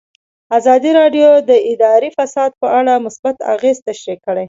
ازادي راډیو د اداري فساد په اړه مثبت اغېزې تشریح کړي.